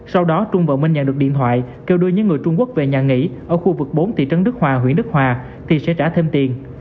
sau đó trung và minh nhận được điện thoại kêu đưa những người trung quốc về nhà nghỉ ở khu vực bốn thị trấn đức hòa huyện đức hòa thì sẽ trả thêm tiền